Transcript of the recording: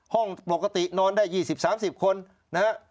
ห้องปกตินอนได้๒๐๓๐คนนะฮะ